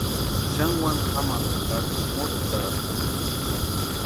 Xani wani jamani jakaksï motsitarakwecha.